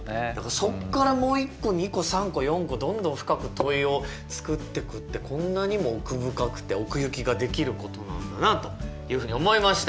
そこからもう１個２個３個４個どんどん深く問いを作ってくってこんなにも奥深くて奥行きが出来ることなんだなというふうに思いました。